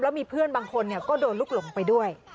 มีเพื่อนบางคนก็โดนลูกหลงไปด้วย